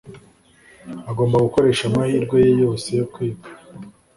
Agomba gukoresha amahirwe ye yose yo kwiga.